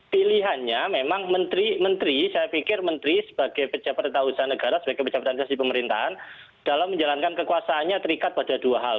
pilihannya memang menteri saya pikir menteri sebagai pejabat usaha negara sebagai pejabat di pemerintahan dalam menjalankan kekuasaannya terikat pada dua hal